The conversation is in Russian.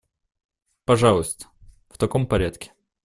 Пожалуйста, в таком порядке.